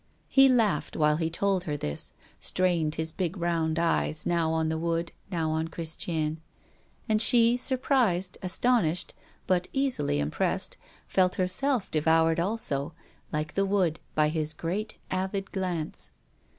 He laughed, while he told her this, strained his big, round eyes, now on the wood, now on Christiane; and she, surprised, astonished, but easily impressed, felt herself devoured also, like the wood, by his great avid glance.